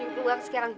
iu keluar sekarang